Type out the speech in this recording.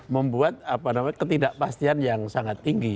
membuat ketidakpastian yang sangat tinggi